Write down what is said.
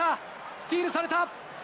スティールされた。